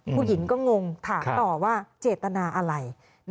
ผู้หญิงก็งงถามต่อว่าเจตนาอะไร